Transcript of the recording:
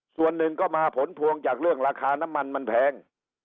ส่วนหนึ่งก็มาผลพวงจากเรื่องราคาน้ำมันมันแพง